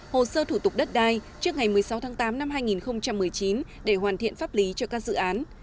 hồ sơ thủ tục đất đai trước ngày một mươi sáu tháng tám năm hai nghìn một mươi chín để hoàn thiện pháp lý cho các dự án